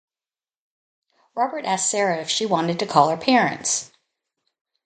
Robert asked Sarah if she wanted to call her parents.